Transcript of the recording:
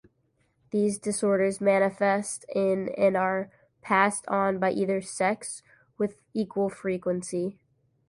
These disorders manifest in and are passed on by either sex with equal frequency.